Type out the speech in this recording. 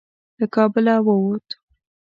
له کابله ووت.